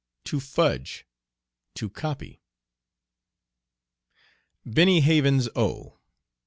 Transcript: "To fudge." To copy. BENNY HAVENS O.